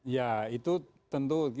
ya itu tentu